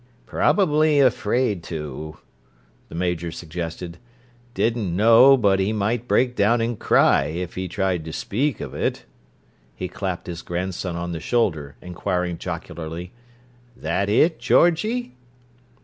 "Probably afraid to," the Major suggested. "Didn't know but he might break down and cry if he tried to speak of it!" He clapped his grandson on the shoulder, inquiring jocularly, "That it, Georgie?"